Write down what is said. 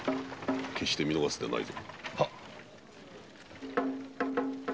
決して見逃すでないぞ。